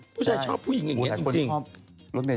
ผู้ชายชอบผู้หญิงอย่างนี้จริง